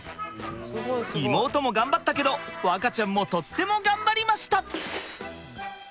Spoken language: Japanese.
妹も頑張ったけど和花ちゃんもとっても頑張りました！